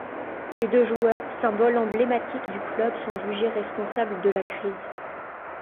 Les deux joueurs, symboles emblématiques du club sont jugés responsables de la crise.